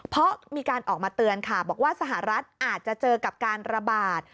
เพราะมีการออกมาเตือนค่ะบอกว่าสหรัฐอาจจะเจอกับการระบาด